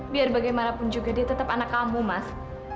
biar bagaimanapun juga dia tetap anak kamu mas